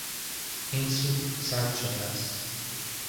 این سوپ سرد شده است.